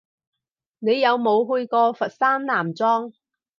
你有冇去過佛山南莊？